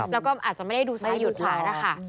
แล้วก็อาจจะไม่ได้ดูซ้ายดูขวานะคะ